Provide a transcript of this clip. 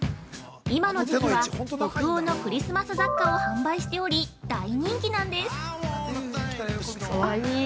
今の時期は、北欧のクリスマス雑貨を販売しており大人気なんです。